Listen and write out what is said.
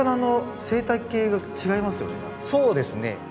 そうですね。